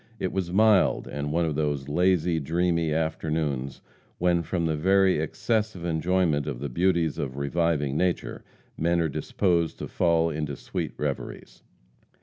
It was mild, and one of those lazy, dreamy afternoons, when, from very excess of enjoyment of the beauties of reviving nature, men are disposed to fall into sweet reveries.